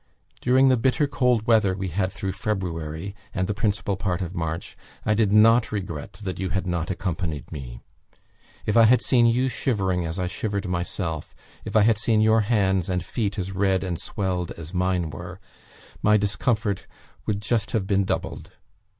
During the bitter cold weather we had through February, and the principal part of March, I did not regret that you had not accompanied me. If I had seen you shivering as I shivered myself, if I had seen your hands and feet as red and swelled as mine were, my discomfort would just have been doubled.